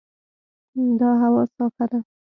دا هوا صافه ده.